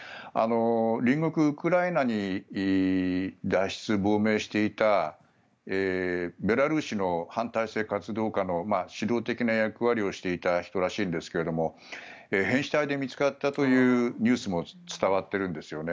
隣国ウクライナに脱出、亡命していたベラルーシの反対政府活動家の指導的な役割をしていた人らしいんですが変死体で見つかったというニュースも伝わっているんですよね。